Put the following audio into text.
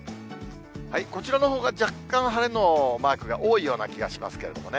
こちらの方が若干晴れのマークが多いような気がしますけどね。